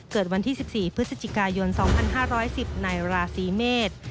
เกิดวันที่๑๔พฤศจิกายน๒๕๑๐ในราศีเมษ